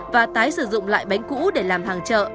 và tái sử dụng loại bánh cũ để làm hàng chợ